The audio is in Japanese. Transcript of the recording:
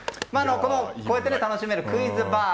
こうして楽しめるクイズバー。